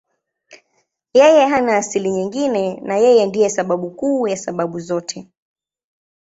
Yeye hana asili nyingine na Yeye ndiye sababu kuu ya sababu zote.